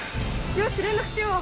よし連絡しよう。